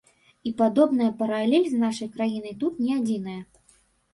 І падобная паралель з нашай краінай тут не адзіная.